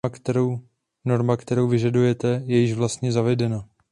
Norma, kterou vyžadujete, je již vlastně zavedena.